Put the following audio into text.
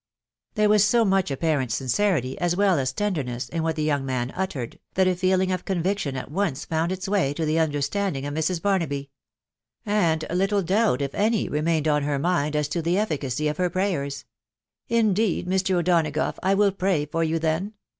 There was so much apparent sincerity, as well as tenderness, in what the young man uttered, that a feeling of conviction at once found its way to the understanding of Mrs. Barnaby ; and little doubt, if any, remained on "her mind as to the efficacy of her prayers ...." Indeed, Mr. O'Donagough, I will pray for you then